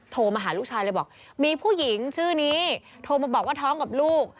โทรมาหาลูกชายเลยบอกมีผู้หญิงชื่อนี้โทรมาบอกว่าท้องกับลูก